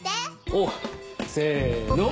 おっせの。